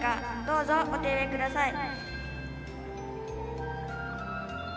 どうぞお手植えください。